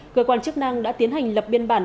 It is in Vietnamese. cơ quan chức năng đã tiến hành lập biên bản